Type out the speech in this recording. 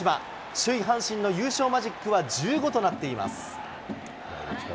首位阪神の優勝マジックは１５となっています。